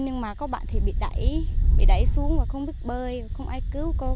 nhưng mà có bạn thì bị đẩy bị đẩy xuống và không biết bơi không ai cứu cô